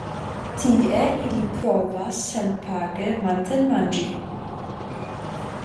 Tie ili provas senpage matenmanĝi.